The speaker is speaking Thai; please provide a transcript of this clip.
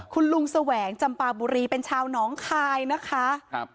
คุณลุงแสวงจำปาบุรีเป็นชาวหนองคายนะคะครับ